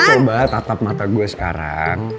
coba tatap mata gue sekarang